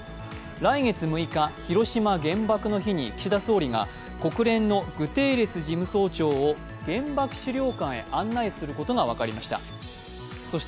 来月６日、広島、原爆の日に岸田総理が国連のグテーレス事務総長を原爆資料館へ案内することが分かりました。